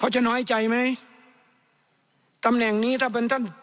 จะน้อยใจไหมตำแหน่งนี้ถ้าเป็นท่าน